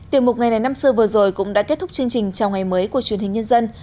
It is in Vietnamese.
tiểu mục ngày này năm xưa vừa rồi cũng đã kết thúc chương trình chào ngày mới của truyền hình nhân dân